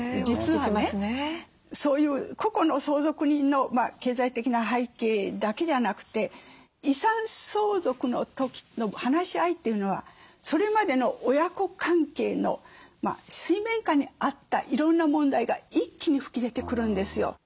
実はねそういう個々の相続人の経済的な背景だけじゃなくて遺産相続の時の話し合いというのはそれまでの親子関係の水面下にあったいろんな問題が一気に吹き出てくるんですよ。